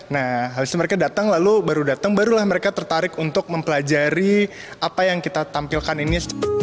nah habis itu mereka datang lalu baru datang barulah mereka tertarik untuk mempelajari apa yang kita tampilkan ini